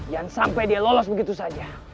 jangan sampai dia lolos begitu saja